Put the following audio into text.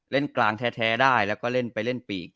กลางแท้ได้แล้วก็เล่นไปเล่นปีก